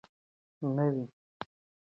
نوی تحقیق سوی وو.